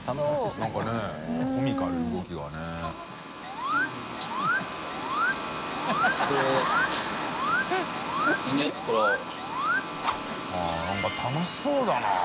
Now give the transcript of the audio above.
△何か楽しそうだな。